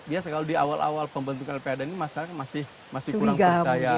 biasa kalau di awal awal pembentukan lpd ini masyarakat masih kurang percaya